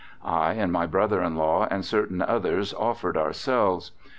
I and my brother in law and certain others offered ourselves.